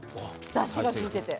だしがきいてて。